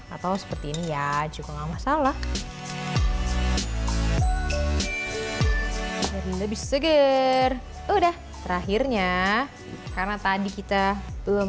atau seperti ini ya juga enggak masalah jadi lebih seger udah terakhirnya karena tadi kita belum